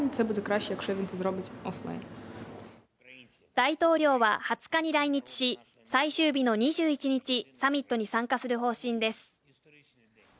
大統領は２０日に来日し、最終日の２１日、サミットに参加する方針です。